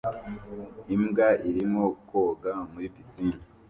Imbwa irimo koga muri pisine